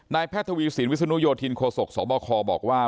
แพทย์ทวีสินวิศนุโยธินโคศกสบคบอกว่า